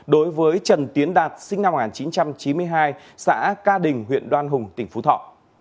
đối với trần tiến đạt sinh năm một nghìn chín trăm chín mươi hai xã ca đình huyện đoan hùng tỉnh phú thọ